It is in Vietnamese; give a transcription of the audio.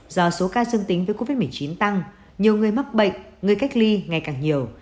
do số ca dương tính với covid một mươi chín tăng nhiều người mắc bệnh người cách ly ngày càng nhiều